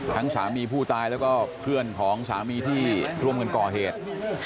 สามีผู้ตายแล้วก็เพื่อนของสามีที่ร่วมกันก่อเหตุ